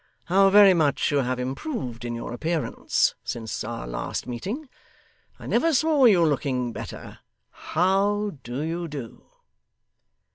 How very much you have improved in your appearance since our last meeting! I never saw you looking better. HOW do you do?